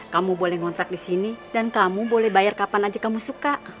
kamu boleh ngontrak di sini dan kamu boleh bayar kapan aja kamu suka